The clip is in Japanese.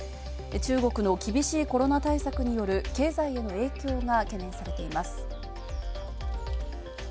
中国の厳しいコロナ対策による経済への影響が懸念されています。